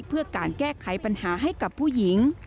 เพื่อการแก้ไขปัญหาให้กับผู้หญิง